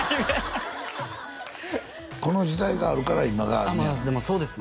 この時代があるから今があるまあでもそうですね